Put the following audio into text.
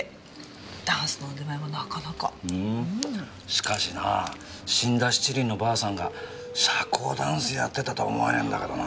しかしなあ死んだ七輪のばあさんが社交ダンスやってたとは思えねえんだけどな。